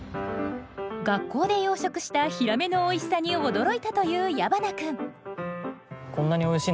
学校で養殖したヒラメのおいしさに驚いたという矢花君。